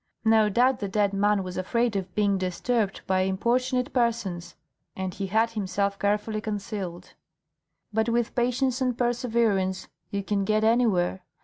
No doubt the dead man was afraid of being disturbed by importunate persons and he had himself carefully concealed; but with patience and perseverance you can get anywhere.